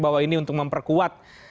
bahwa ini untuk memperkuat